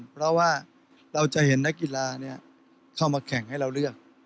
เพราะว่าเราจะเห็นนักกีฬาเข้ามาแข่งให้เราเลือก